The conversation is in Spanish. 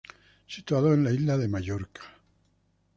Situado en la isla de Mallorca.